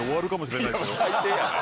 最低やな。